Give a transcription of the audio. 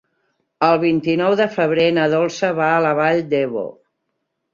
El vint-i-nou de febrer na Dolça va a la Vall d'Ebo.